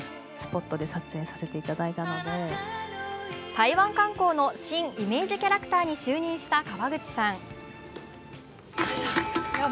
台湾観光の新イメージキャラクターに就任した川口さん。